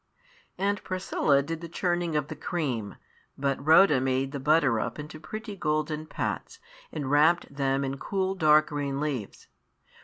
Aunt Priscilla did the churning of the cream, but Rhoda made the butter up into pretty golden pats, and wrapped them in cool, dark green leaves.